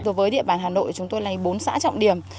đối với địa bàn hà nội chúng tôi lấy bốn xã trọng điểm